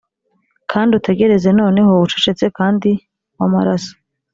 kandi utegereze noneho, ucecetse kandi wamaraso,